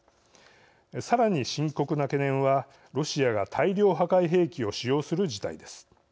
さらに深刻な懸念はロシアが大量破壊兵器を使用する事態です。